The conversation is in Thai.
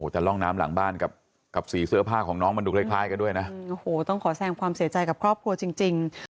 แต่ร่องน้ำหลังบ้านกับสีเสื้อผ้าของน้องมันดูคล้ายกันด้วยนะโอ้โหต้องขอแสงความเสียใจกับครอบครัวจริง